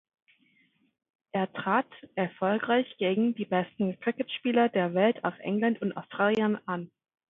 Er trat erfolgreich gegen die besten Cricketspieler der Welt aus England und Australien an.